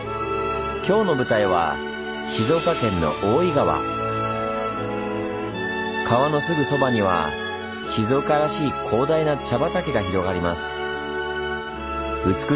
今日の舞台は静岡県の川のすぐそばには静岡らしい広大な茶畑が広がります。